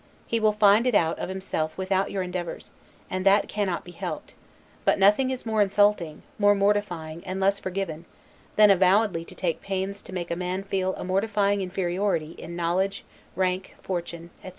He will find it out of himself without your endeavors; and that cannot be helped: but nothing is more insulting, more mortifying and less forgiven, than avowedly to take pains to make a man feel a mortifying inferiority in knowledge, rank, fortune, etc.